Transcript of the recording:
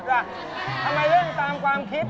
ทำไมเร่งตามตามความคิด